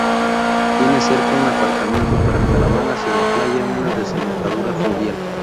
Tiene cerca un aparcamiento para caravanas y en la playa hay una desembocadura fluvial.